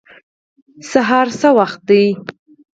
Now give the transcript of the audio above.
سهار څه وخت دی؟